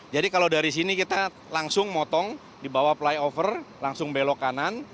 jadi kalau dari sini kita langsung motong di bawah flyover langsung belok kanan